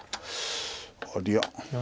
ありゃ？